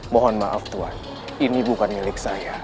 mohon maaf tuhan ini bukan milik saya